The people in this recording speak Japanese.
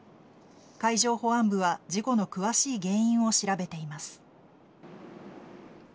海上保安部は事故の詳しい原因を調べています。